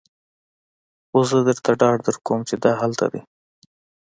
خو زه درته ډاډ درکوم چې دا هلته دی